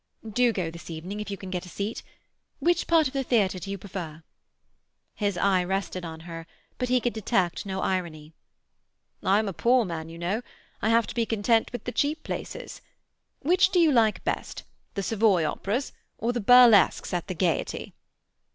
"Do go this evening, if you can get a seat. Which part of the theatre do you prefer?" His eye rested on her, but he could detect no irony. "I'm a poor man, you know. I have to be content with the cheap places. Which do you like best, the Savoy operas or the burlesques at the Gaiety?"